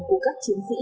của các chiến sĩ